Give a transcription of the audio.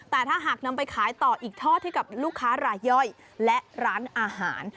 แต่ถ้าหากนำไปขายต่ออีกทอดให้กับลูกค้ารายย่อยและร้านอาหาร